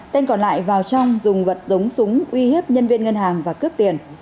tên còn lại vào trong dùng vật giống súng uy hiếp nhân viên ngân hàng và cướp tiền